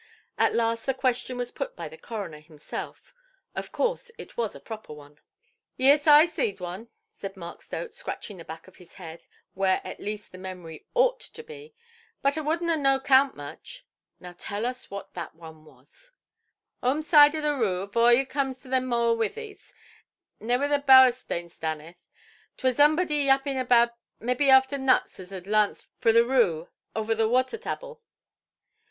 At last the question was put by the coroner himself. Of course it was a proper one. "Yees, I zeed wan", said Mark Stote, scratching the back of his head (where at least the memory ought to be); "but a wadnʼt of no 'count much". "Now tell us where that one was". "Homezide of the rue, avore you coams to them hoar–witheys, naigh whur the bower–stone stanneth. 'Twur zumbawdy yaping about mebbe after nuts as had lanced fro' the rue auver the water–tabble".